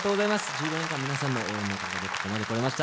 １５年間皆さんの応援のおかげで来れました。